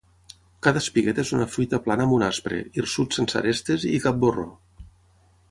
Cada espigueta és una fruita plana amb un aspre, hirsut sense arestes, i cap borró.